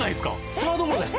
「サードゴロです。